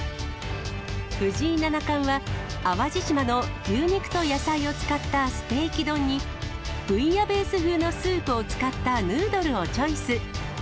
藤井七冠は、淡路島の牛肉と野菜を使ったステーキ丼に、ブイヤベース風のスープを使ったヌードルをチョイス。